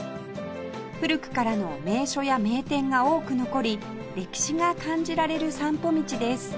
古くからの名所や名店が多く残り歴史が感じられる散歩道です